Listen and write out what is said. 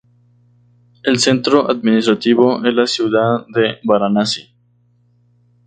El centro administrativo es la ciudad de Varanasi.